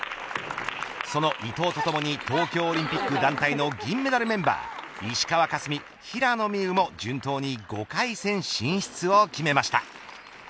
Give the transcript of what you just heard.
その伊藤とともに東京オリンピック団体の銀メダルメンバー石川佳純、平野美宇も順当に５回戦進出を決めました。